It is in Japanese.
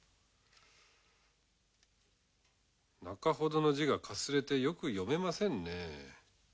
中ほどの字がかすれてよく読めませんね。